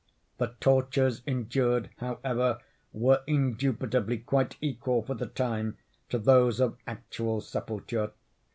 The tortures endured, however, were indubitably quite equal for the time, to those of actual sepulture.